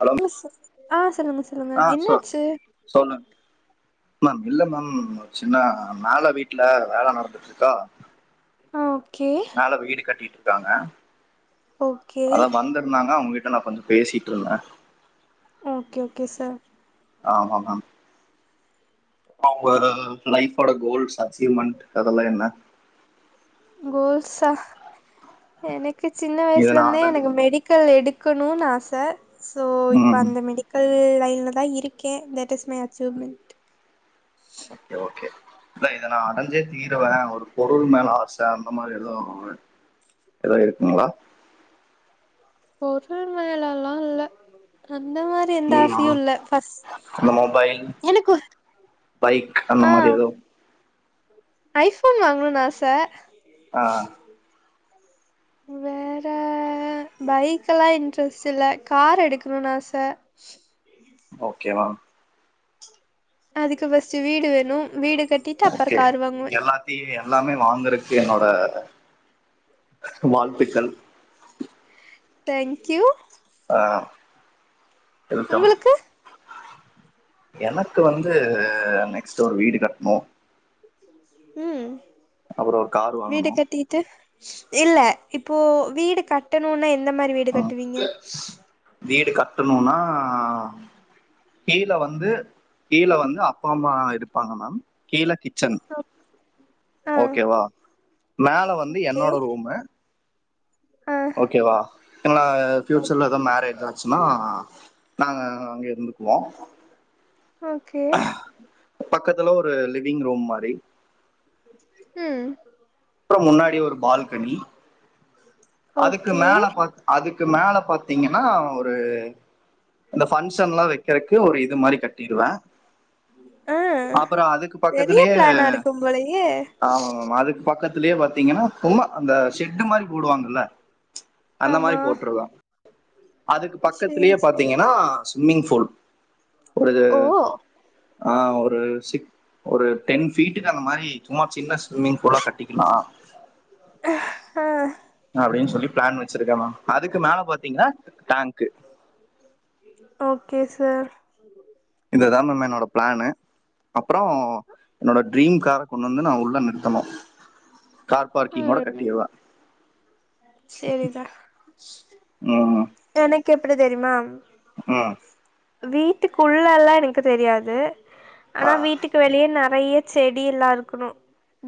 Hello ஆ சொல்லுங்க சொல்லுங்க ஆ சொ என்னாச்சு சொல்லுங்க மேம் இல்ல மேம் சின்ன வேல வீட்ல வேலை நடந்துட்டு இருக்கா ஆ ஒகே மேல வீடு கட்டிட்டு இருக்காங்க ஓகே அத வந்து சொன்னாங்க உங்ககிட்ட நான் கொஞ்சம் பேசிட்டு இருந்தேன் ஓகே ஓகே சார் ஆமா ஆமாம அவங்க லைஃப்போட கோல்ஸ் ஆச்சுவேமேட் அதெல்லாம் என்ன கோல்ஸா எனக்கு சின்ன இத நா வயசுலருந்தே அடஞ்சு மெடிக் ல்ல எடுக்கணும்னு ஆச சோ இப்ப ம் அந்த மெடிக்கல் கல் லைனில் தான் now that is my achievement okay okay இல்ல இதை நான் அடைஞ்சே தீருவேன் ஒரு பொருள் மேல ஆசை அந்த மாதிரி எதுவும் ஏதோ இருக்குங்களா பொருள் மேலல்லாம் இல்ல அந்த மாதிரி எந்த ஆசையும் ம் இல்லை அந்த மொபைல் எனக்கு பைக் அந்த மாதிரி ஏதவும் ஐ போன் வாங்கவும் ஆசை ஆ வேற பைக் எல்லாம் இன்ட்ரெஸ்ட் இல் கார் எடுக்கணும்னு ஆசை ஓகே மேம் அதுக்கு பஸ்ட் வீடு வேணும் வீடு கட்டிட்டு அப்பற ஓகே கார் வாங்குவே நீங்க எல்லாத்தையும் எல்லாமே வாங்குரத்துக்கு என்னோட வாழ்த்துக்கள் தேங்க்யூ ஆ வெல்கம் உங்களுக்கு எனக்கு வந்து நெக்ஸ்ட் ஒரு வீடு கட்டணும் ம் அப்புறம் ஒரு கார் வீடு வாங்கணும் கட்டி ட்டு இல்ல இப்போ வீடு கட்டணும்னா எந்த மாதிரி வீடு ம். கட்டுவீங்க வீடு கட்டணும்னா கீழே வந்து கீழ வந்து அப்பா அம்மா இருப்பாங்க மேம் கீழ கிச்சன் ஆ ஓகேவா மேல வந்து ஓகே என்னோட ரூம் ஆ ஓகேவா எங்களா ஓக் ஃபியூச்சர்ல ஏதோ மேரேஜ் தான் ஆச்சுனா நாங்க அங்க இருந்துக்குவோம் ஓகே பக்கத்துல ஒரு லிவிங் ரூம் மாதிரி ம் அப்றோ முன்னாடி ஒரு பால்கனி அதுக்கு ஓகே மேல பாத் அதுக்கு மேல பாத்தீங்கன்னா ஒரு இந்த ஃபங்சஷன்லா வைக்கறக்கு ஒரு இது மாரி கட்டிடுவே ஆ அப்புறோ அதுக்கு பெரிய பக்கத்திலியே பிளானா இருக்கும் போலயே அதுக்கு பக்கத் லே பாத்தீங்கன்னா சும்மா அந்த ஷெட்டு மாரி போடுவாங்கல்ல அந்த மாரி ஆமா போட்ருவே அதுக்கு சேரி பக்கத்லியே சேரி பாத்தீங்கன்னா ஸ்விம்மிங் பூல் ஒரு இது ஓ ஆ ஒரு சிக்ஸ் ஒரு டென் ஃபீட்டுக்கு அந்த மாரி சும்மா சின்ன ஸ்விமிங் பூலா கட் ஒட்டிகினா ஆ அப்டின் சொல்லி பிளான் வச்சிருக்கே மேம் அதுக்கு மேல பாத்தீங்கன்னா டேங்க்கு ஓகே சார் இதுதா மேம் என்னோட பிளான் அப்றோ என்னோட ட்ரீம் கார கொண்டு வந்து நா உள்ள நிறுத்தனு கார் பார்க்கிங் ஓட ம் கட்டிடுவே சேரிதா ம் எனக்கு எப்டி தெரிமா ம் வீட்டுக்குல்லல்லா எனக்கு தெரியாது ஆ, ஆனா வீட்டுக்கு வெளிய நறைய செடிலா இருக்கணு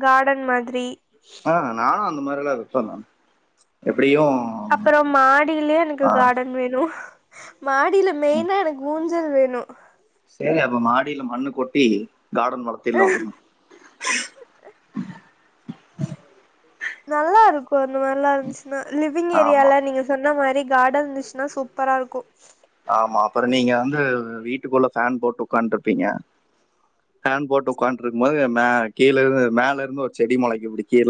கார்டன் மாதிரி ஆ நானு அந்த மாரிலா வப்ப மேம் எப்டியு அப்புறோ மாடியிலே எனக்கு கார்டன் வேணு மாடியில மெயினா எனக்கு ஊஞ் சல் வேணு செரி அப்ப மாடியில மண்ணு கொட்டி கார்டன் வளத்திர்லா உடுங்க நல்லா இருக்கு அந்த மாரிலா இருந்துச்சுன்னா லிவ்விங் ஆமா ஏரியால நீங்க சொன்ன மாரி கார்டன் இருந்துச்சுனா சூப்பரா இருக்கு ஆமா அப்புற நீங்க வந்து வீட்டுக்குள்ள ஃபேன் போட்டு உட்கான்ட்ருப்பீங்க ஃபேன் போட்டு உட்கான்ட்ருக்கும் போது மே கீழ இருந்து மேல இருந்து ஒரு செடி மொளைக்கு இப்டி கீழ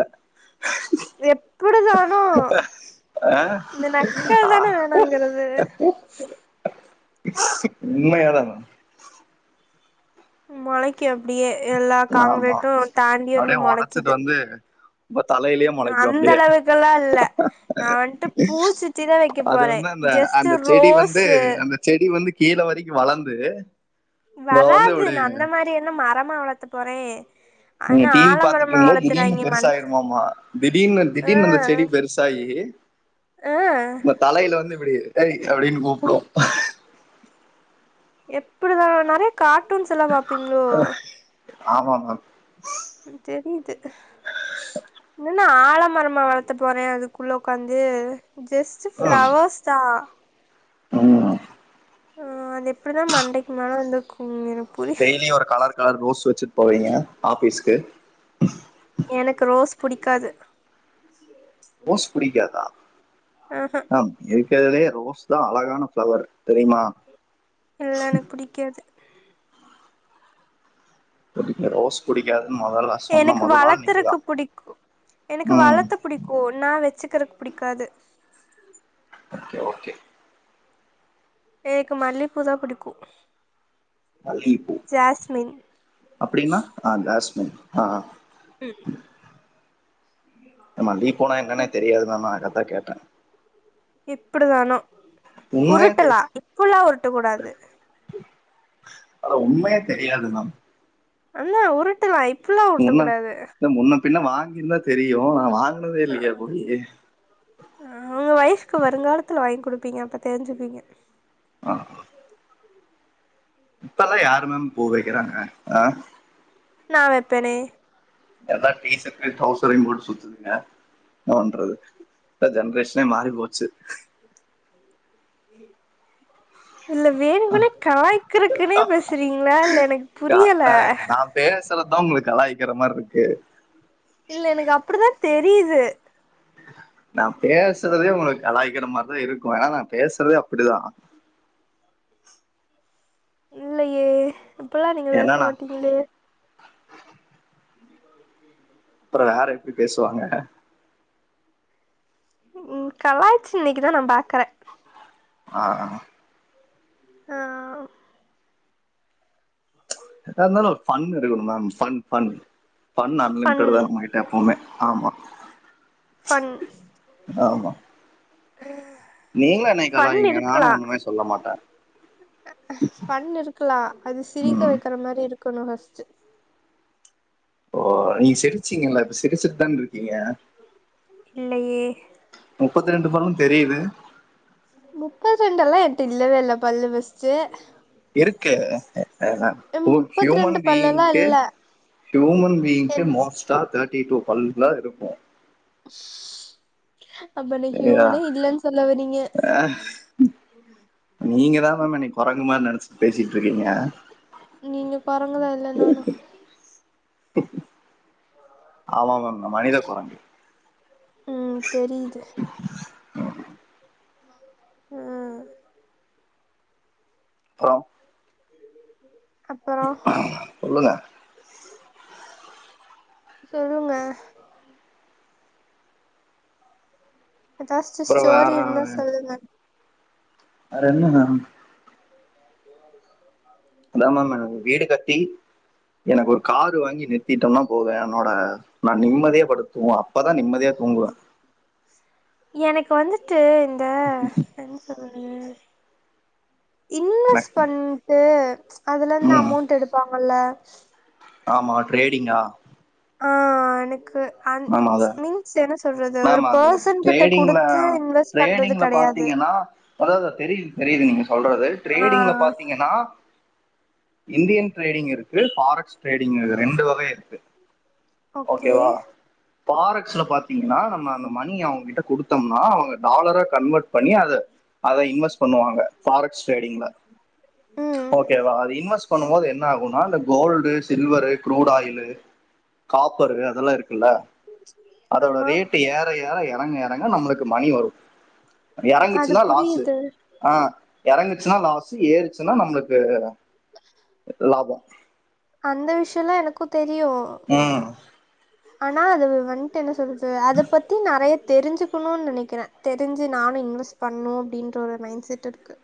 எப்புடிதானோ இந்த நக்கல் ஆ, தானே வேணாங்கிறது உண்மையாத மேம் மொளைக்கு அப்டியே எல்லா ஆமா காங்ரெட்டு தாண்டி அப்படியே வந்து உடைச்சிட்டு மொளைக்கிது வந்து இப்ப தலையிலயே முளைக்கும் அந்த அப்படியே அளவுக்குல்லா இல்ல நா வந்ட்டு பூச் செடி தா வைக்க அது போற வந்து அந்த ஜஸ்ட்டு அந்த செடி வந்து ரோஸ்ஸு அந்த செடி வந்து கீழ வரைக்கு வளர்ந்து இவன் வந்து வராது நா அந்த மாரி என்ன மரமா வளர்த்த போறே நீங்க ஆனா டிவி ஆலமரமா பாத்துட்ருக்கும் போது திடீர்னு வளத்துறாய்ங்க மண் பெருசாயிருமாமா திடீர்னு ஆ திடீர்னு அந்த செடி பெருசாயி ஆ தலையில வந்து இப்புடி ஏய் அப்படின் கூப்டு எப்டிதான நறைய கார்ட்டூன்ஸ் எல்லா பாப்பீங்ளோ ஆமா மேம் ம் தெரிது என்ன ஆழமரமா வளர்த்த போற அதுக்குள்ள உக்காந்து ஜஸ் ட்டு ஃப்ளவர்ஸ தா ஆமா ஆ அது எப்டிதா மண்டைக்கு மேல வந்து குன்னிரு டெய்லியு ஒரு கலர் கலர் ரோஸ் வச்சுட்டு போவீங்க ஆஃபீஸ்க்கு எனக்கு ரோஸ் புடிக்காது [unintelligible] போஸ் பிடிக்காதா ஆ ஆ மேம் இருக்கிறதுலே ரோஸ் தா அழகான பிளவர் தெரியுமா இல்ல எனக்கு பிடிக்காது எப்டிங்க ரோஸ் பிடிக்காதுனு மொதல்லா எனக்கு வளர்த்துறக்கு பிடிக்கு எனக்கு ம் வளர்த்த பிடிக் கோ நா வச்சுக்கறக்கு பிடிக்காது ஓகே ஓகே நேக்கு மல்லிப்பூதா பிடிக்கு மல்லியப்பூ அ அப்டினா ஆ ஜாஸ்மின் ஆ ஆ ம் ஏம்மா லீஃபோனா என்னன்னே தெரியாது தானா அதத்தா கேட்டே இப்டிதானோ உண்மையா உருட்டலா இப்டில்லா உருட்ட கூடாது அட உண்மையா தெரியாது மேம் அண்ணா உருட்டலா இப்பல்லா உருட்ட கூடாது முன்ன முன்ன பின்ன வாங்கியிருந்தா தெரியு நா வாங்குனதே இல்லையே போயி ஆ உங்க ஒய்ஃப்கு வருங்காலத்துல வாங்கி குடுப்பீங்க அப்ப தெரிஞ்சுப்பீங்க ஆ இப்பெல்லா யாரு மேம் பூ வைக்கிறாங்க ஆ நா வைப்பனே எல்லா டீ சர்ட்டு டௌசரையு போட்டு சுத்துதுங்க என்ன பண்றது இப்ப ஜென்ரேஷனே மாறி போச்சு ம் நீ எடு இல்ல வேணுக்குனே கலாய்க்கறக்குனே பேசுறீங்களா இல்ல எனக்கு புரியல பேசுற தா உங்களுக்கு கலாயிக்கிற மாரி இருக்கு இல்ல எனக்கு அப்டிதா தெரியுது நா பேசுறதே உங்களுக்கு கலாய்க்கிற மாதிரிதா இருக்கு ஏனா நா பேசுறதே அப்டிதா இல்லயே இப்டிலா நீங்க ஏன்னா பேச நான் மாட்டீங்களே இந்து காலத்துக்கு ஏமல் அப்புறோ வேற எப்டி பேசுவாங்க ம் கலாய்ச்சு இன்னைக்கி தா நா பாக்குறே ஆ ஆ ஆ என்ன இருந்தாலு ஒரு ஃபன் இருக்கனு ma'am fun fun fun unlimited தா எப்பவுமே ஆமா ஃபன் நீங்களு என்னைக் ஃபன் கலாயிங்க நானு இருக்கலாம் ஒன்னுமே சொல்ல மாட்டே ஃபன் இருக்கலா அது சிரிக்க ம் வைக்கிற மாதிரி இருக்கணு ஃபர்ஸ்ட்டு ஓ நீங்க சிரிச்சிங்கல்ல இப்ப சிரிச்சுட்டு தா இருக்கீங்க இல்லயே முப்பத்து ரெண்டு பல்லு தெரியுது முப்பத்ரெண்டல்லா என்ட்ட இல்லவே இல்ல பல்லு பஸ்ட்டு இருக்கு அஹ ஒ முப்பத்தி ஹியூமன் ரெண்டு பல்லெல்லாம் பீயிங்க்கு இல்லை ஹியூமன் பீயிங்க்கு என்- மோஸ்ட் டா தேட்டி டூ பல்லுதா இருக்கு அப்ப நீ சரியா ஹியூமனே இல்லலன்னு சொல்ல வரீங்க நீங்க தா மேம் என்ன கொரங்கு மாரி நெனச்ட்டு பேசிட் ருக்கீங்க நீங்க குரங்குதான் இல்லைனாலும் ஆமா மேம் மனித குரங்கு ம் தெரிது ஓக் அ அப்றம் அப்பறோ சொல்லுங்க சொல்லுங்க ஏதாச்சு அப்புறம் ஸ்டோரி வேற இருந்தா சொல்லுங்க ரெண்டுங்க எல்லாரு இருக்காங்க அத மேம் எனக்கு ஒரு வீடு கட்டி எனக்கு ஒரு காரு வாங்கி நிறுத்திட்டோம்னா போது என்னோட நா நிம்மதியே படுத்து தூங்குவே அப்பதா நிம்மதியே தூங்குவே எனக்கு வந்துட்டு இந்த என்ன சொல்றது இன்வெஸ்ட் எனக்கு பண்ட்டு அதுலருந்து ம் அமௌண்ட் எடுப்பாங்கல்ல ஆமா ட்ரேடிங்கா ஆ எனக்கு அன் மேம் அதை மீன்ஸ் சே என்ன சொல்றது ஒரு மேம் அது பெர்சன் கிட்ட ட்ரேடிங்ல கொடுத்து இன்வெஸ்ட் பண்றது கெடையாது அதாவ்து தெரியு தெரியுது நீங்க சொல்றது ஆ டரேடிங்ல பாத்திங்கன்னா இந்தியன் ட்ரேடிங் இருக்கு ஃபாரெக்ஸ் ட்ரேடிங் ரெண்டு வக இருக்கு ஓகே ஓகேவா பாரக்ஸ்ல பாத்த பாத்த்திங்ன்னா நம்ம அந்த மணி அவுங்க கிட்ட குடுத்தோம்னா அவுங்க டாலரா கன்வெர்ட் பண்ணி அத அத இன்வெஸ்ட் பண்ணுவாங்க பாரக்ஸ்ட் ட்ரேடிங்ல ம் ஓகேவா அது இன்வெஸ்ட் பண்ணும்போது என்ன ஆகுனா இந்த gold silver crude oil [inaudible] copper அதெல்லா இருக்குல்ல அதோட ஆமா ரேட்டு ஏற ஏற எறங்க எறங்க நம்ளுக்கு மணி வரு அது எறங்குச்சுன்னா லாஸு புரியுது அ எறங்குச்சுன்னா லாஸு ஏறுச்சுன்னா நம்ளுக்கு லாபோ அந்த விஷ்யோலா எனக்கு தெரியு ம் ஆனா அது வன்ட்டு என்ன சொல்றது அத பத்தி நறைய தெரிஞ்சு க்குனு நெனைக்கிறே தெரிஞ்சு நானு இன்வெஸ்ட் பண்ணு அப்டின்ற ஒரு மைண்செட் இருக்கு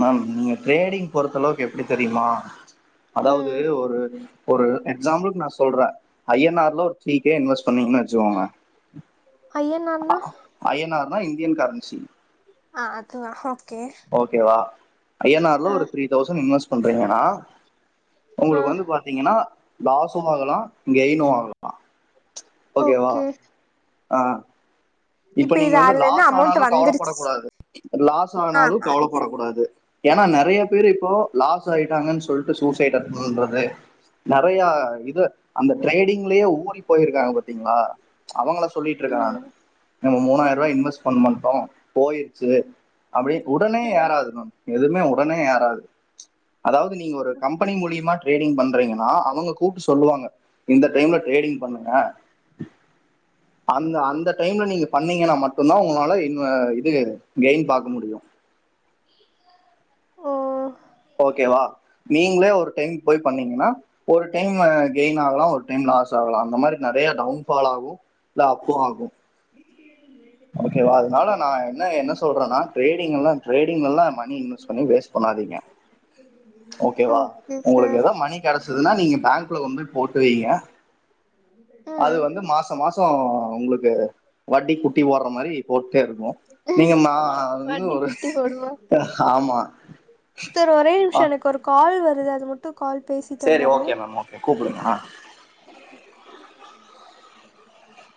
மேம் நீங்க ட்ரேடிங் பொறுத்தளவுக்கு எப்டி தெரியுமா அதாவ்து ம் ஒரு ஒரு எக்ஸாம்பிள்க்கு நா சொல்றே ஐ என் ஆர்ல ஒரு த்ரீ கே இன்வெஸ்ட் பண்வீங்ன்னு வச்சுகோங்க ஐ என் ஆர் ன்னா ஐ என் ஆர் னா இந்தியன் கரன்சி அ அதுவா ஓகே ஓகேவா ஐ என் ஆர்ல ஆ ஒரு த்ரீ தௌசண்ட் இன்வெஸ்ட் பண்றீங்கன்னா ஆ உங்களுக்கு வந்து பாத்தீங்கன்னா லாஸும் ஆகலா கெய்னு ஆகலா ஓகே ஆ இப்ப நீங்க இது வந்து அதுல இருந்து லாஸ் அமௌண்ட் ஆனாலு வந்துருச்சு கவலப்படக் கூடாது லாஸ் ஆ ஆனாலு அது கவலப்படக் தெரியு கூடாது ஏன்னா நெறைய பேரு இப்போ லாஸ் ஆயிட்டாங்கன் சொல்ட்டு சூசைட் அட்டன் பண்றது நெறையா இத அந்த ட்ரேடிங்லயே ஊறி போயிருக்காங்க பாத்தீங்களா அவங்கள சொல்லிட்ருக்கே நானு ம் நம்ம மூணாயிர ரூவா இன்வெஸ்ட் பண்ண மாட்டோ போயிருச்சி அப்டினு உடனே ம் யாராவதுன்னு எதுவுமே உடனே யாராது அதாவது நீங்க ஒரு கம்பெனி மூலியமா ட்ரேடிங் பண்றீங்கன்னா அவுங்க கூப்ட்டு சொல்லுவாங்க இந்த டைம்ல ட்ரேடிங் பண்ணுங்க அந்த அந்த டைம்ல நீங்க பண்ணீங்கன்னா மட்டுந்தா உங்களால இன்ன இது கெயின் பாக்க முடியு ஓ ஓகேவா நீங்களே ஒரு டைம் போய் பண்ணீங்கன்னா ஒரு டைம் கெயின் ஆகலா ஒரு டைம் லாஸ் ஆகலா அந்த மாரி நெறையா டவுன் ஃபால் ஆகு இல்ல அப்பு ஆகு ஓகேவா அதுனால ஓ நா என்ன என்ன சொல்றேன்னா ட்ரேடிங்கல்லா ட்ரேடிங் எல்லா நம்ம மணி இன்வெஸ்ட் பண்ணி வேஸ்ட் பண்ணாதீங்க ஓகேவா ஓகே உங்ளுக்கு சார் ஏதோ மணி கெடைச்சதுன்னா நீங்க பேங்க்ல கொண்டு போய் போட்டு வைங்க அது ம் வந்து மாசோ மாசோ உங்களுக்கு வட்டி கு குடுக்குற மாரி போட்டுட்டே இருப்போ நீங்க மா வந்து வட்டி ஒரு குட்டி போடுமா ஆமா சார் ஒரே நிமிஷோ எனக்கு ஒரு கால் வருது அது மட்டு கால் பேசிட்டு சரி வந்துர்றே ஓகே மேம் ஓகே கூப்பிடுங்க ஆ இருக்காயோ